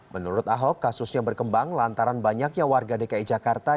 menurut ahok kasusnya berkembang lantaran banyaknya warga dki jakarta